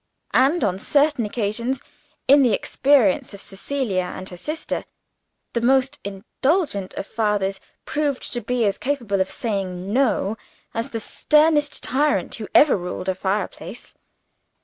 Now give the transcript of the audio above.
And, on certain occasions in the experience of Cecilia and her sister, the most indulgent of fathers proved to be as capable of saying No, as the sternest tyrant who ever ruled a fireside.